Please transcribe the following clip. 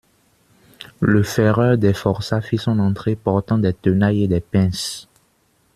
Le ferreur des forçats fit son entrée, portant des tenailles et des pinces.